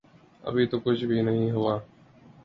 ابھی تو کچھ بھی نہیں ہوا۔